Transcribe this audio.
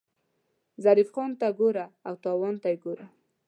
ظریف خان ته ګوره او تاوان ته یې ګوره.